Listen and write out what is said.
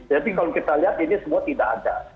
tapi kalau kita lihat ini semua tidak ada